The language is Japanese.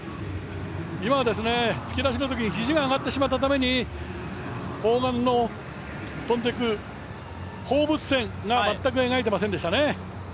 今は突き出しのときに、肱が上がってしまったために砲丸の飛んでいく放物線が全く描いていませんでしたね。